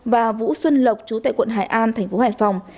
và vũ xuân lộc chú tại quận hải an thành phố hải phòng